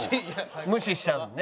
無視しちゃうもんね。